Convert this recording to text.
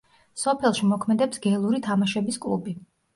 სოფელში მოქმედებს გელური თამაშების კლუბი.